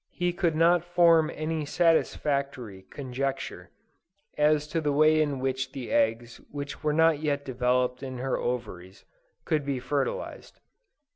He could not form any satisfactory conjecture, as to the way in which the eggs which were not yet developed in her ovaries, could be fertilized.